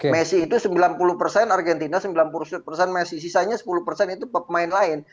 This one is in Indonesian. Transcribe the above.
messi itu sembilan puluh persen argentina sembilan puluh persen messi sisanya sepuluh persen itu pemain lain